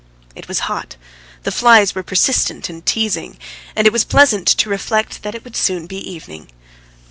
It was hot, the flies were persistent and teasing, and it was pleasant to reflect that it would soon be evening.